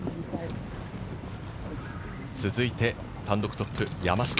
続いて単独トップ、山下。